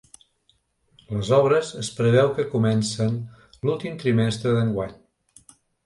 Les obres es preveu que comencen l’últim trimestre d’enguany.